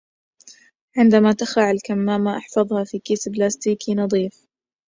عندما تخلع الكمامة، احفظها في كيس بلاستيكي نظيف